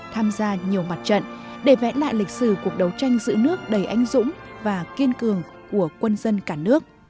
tham gia nhiều mặt trận để vẽ lại lịch sử cuộc đấu tranh giữ nước đầy ánh dũng và kiên cường của quân dân cả nước